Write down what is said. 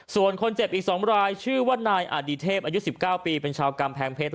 ส่วนคนเจ็บอีก๒รายชื่อว่านายอดิเทพอายุ๑๙ปีเป็นชาวกำแพงเพชร